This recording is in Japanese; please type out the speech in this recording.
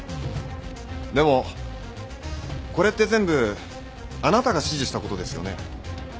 でもこれって全部あなたが指示したことですよね？